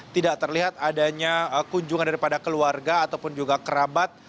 tidak terlihat adanya kunjungan daripada keluarga ataupun juga kerabat